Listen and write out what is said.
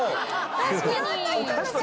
確かに。